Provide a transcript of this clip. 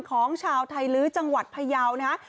ของชาวไทยลื้อจังหวัดพยาวนะฮะ